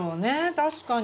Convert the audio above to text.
確かに。